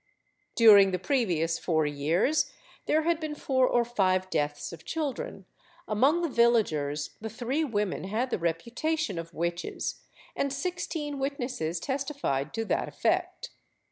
During the previous four years there had been four or five deaths of children; among the villagers, the three women had the reputation of witches, and sixteen witnesses testi fied to that effect.